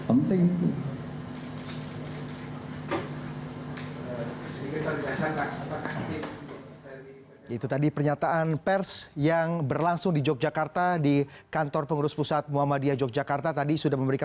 untuk melakukan pengawalan bersama